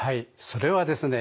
それはですね